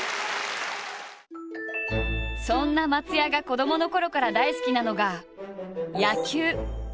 そんな松也が子どものころから大好きなのが野球。